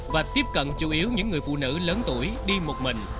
và tiếp cận chủ yếu những người phụ nữ lớn tuổi đi một mình